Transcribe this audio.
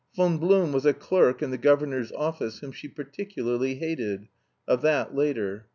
Von Blum was a clerk in the governor's office whom she particularly hated. Of that later.